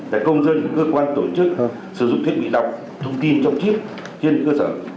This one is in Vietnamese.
và công dân cơ quan tổ chức sử dụng thiết bị đọc thông tin trong chiếc trên cơ sở